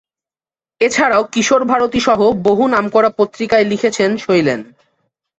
এছাড়াও কিশোর ভারতী সহ বহু নামকরা পত্রিকায় লিখেছেন শৈলেন।